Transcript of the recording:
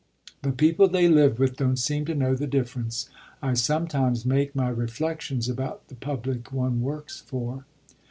The people they live with don't seem to know the difference I sometimes make my reflexions about the public one works for."